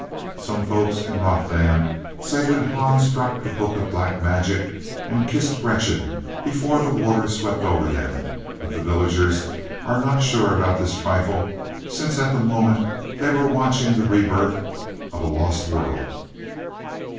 Some folk in Rothdam say that Hans dropped the book of black magic and kissed Gretchen before the water swept over them, but the villagers are not sure about this trifle, since at that moment they were watching the rebirth of a lost world.